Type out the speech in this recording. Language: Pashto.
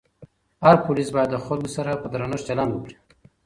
هر پولیس باید د خلکو سره په درنښت چلند وکړي.